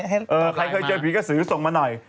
ใครเคยเจอผีกระสือส่งมาหน่อย